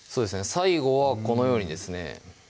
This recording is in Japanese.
最後はこのようにですね